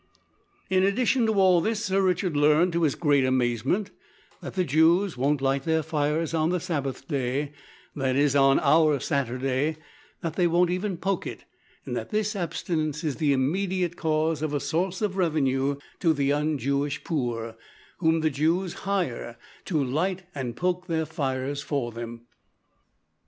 In addition to all this, Sir Richard learned, to his great amazement, that the Jews won't light their fires on the Sabbath day that is, on our Saturday that they won't even poke it, and that this abstinence is the immediate cause of a source of revenue to the un Jewish poor, whom the Jews hire to light and poke their fires for them.